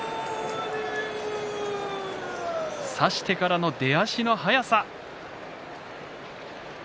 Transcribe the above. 差してからの出足の速さ。